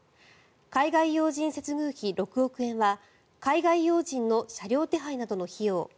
海外要人接遇費６億円は海外要人の車両手配などの費用。